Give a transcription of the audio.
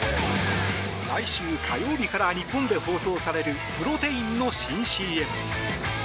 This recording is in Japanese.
来週火曜日から日本で放送されるプロテインの新ＣＭ。